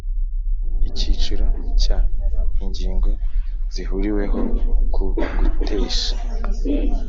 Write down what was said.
Icyiciro cya Ingingo zihuriweho ku gutesha